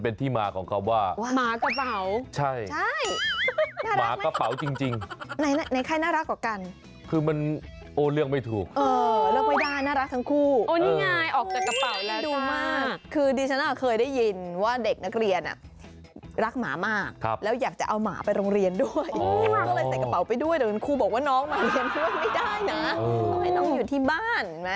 น้องมาเรียนพวกไม่ได้นะทำไมต้องอยู่ที่บ้าน